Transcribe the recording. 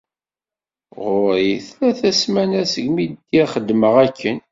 Ɣur- i tlata ssmanat segmi bdiɣ xeddmeɣ akken.